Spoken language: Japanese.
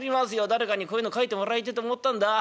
誰かにこういうの書いてもらいてえと思ったんだ。